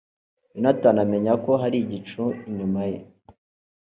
yonatani amenya ko hari igico inyuma ye